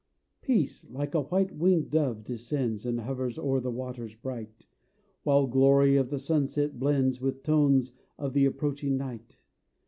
Peace, like a white winged dove descends And hovers o'er the waters bright, While glory of the sunset blends With tones of the approaching night.